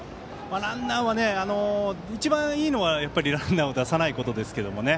一番いいのはランナーを出さないことですけどね。